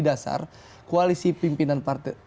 dasar koalisi pimpinan